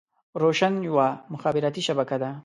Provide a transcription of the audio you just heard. روشن يوه مخابراتي شبکه ده.